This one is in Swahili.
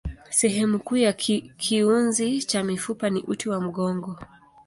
Sehemu kuu ya kiunzi cha mifupa ni uti wa mgongo.